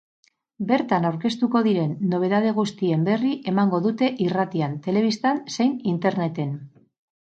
Bertan aurkeztuko diren nobedade guztien berri emango dute irratian, telebistan zein interneten.